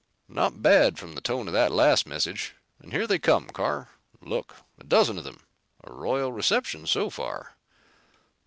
"Not bad, from the tone of that last message. And here they come, Carr. Look a dozen of them. A royal reception, so far."